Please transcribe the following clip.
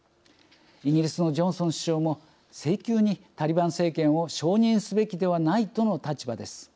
イギリスのジョンソン首相も性急にタリバン政権を承認すべきではないとの立場です。